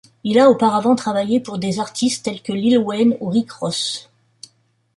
Il a auparavant travaillé pour des artistes tels que Lil Wayne ou Rick Ross.